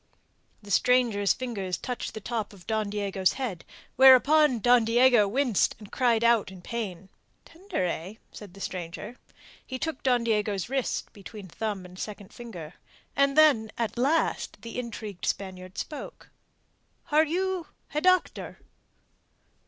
The stranger's fingers touched the top of Don Diego's head, whereupon Don Diego winced and cried out in pain. "Tender, eh?" said the stranger. He took Don Diego's wrist between thumb and second finger. And then, at last, the intrigued Spaniard spoke. "Are you a doctor?"